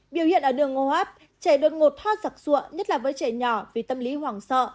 biểu hiện ở đường ngô hấp trẻ được ngột thoát giặc ruộng nhất là với trẻ nhỏ vì tâm lý hoảng sợ